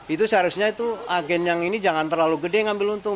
itu seharusnya agen yang ini jangan terlalu gede yang ambil untung